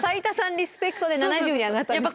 リスペクトで７０に上がったんですか？